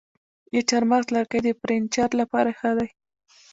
د چهارمغز لرګی د فرنیچر لپاره ښه دی.